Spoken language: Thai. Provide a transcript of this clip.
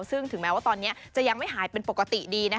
ซึ่งถึงแม้ว่าตอนนี้จะยังไม่หายเป็นปกติดี